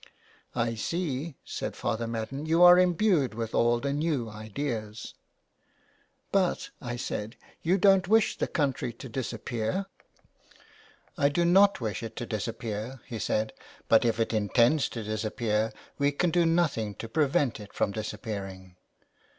" I see," said Father Madden,'* you are imbued with all the new ideas." "But," I said, ''you don't wish the country to disappear.'' '' I do not wish it to disappear," he said, " but if it intends to disappear we can do nothing to prevent it from disappearing.